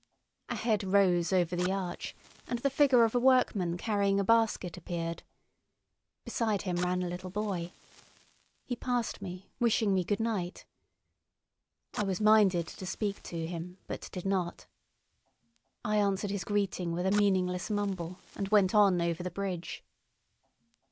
A head rose over the arch, and the figure of a workman carrying a basket appeared. Beside him ran a little boy. He passed me, wishing me good night. I was minded to speak to him, but did not. I answered his greeting with a meaningless mumble and went on over the bridge.